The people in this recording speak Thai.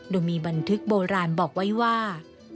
โดยมีบันทึกโบราณบอกไว้ว่า